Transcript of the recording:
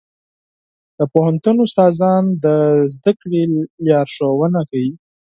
د پوهنتون استادان د زده کړې لارښوونه کوي.